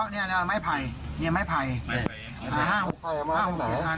อันนี้แล้วเนี่ยไม้ไผ่เนี่ยไม้ไผ่อ่าห้าหกไฟอ่าหกไฟอัน